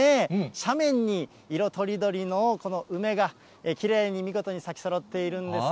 斜面に色とりどりのこの梅が、きれいに見事に咲きそろっているんですよ。